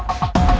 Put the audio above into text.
aku kasih tau